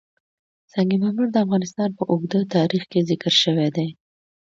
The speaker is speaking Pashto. سنگ مرمر د افغانستان په اوږده تاریخ کې ذکر شوی دی.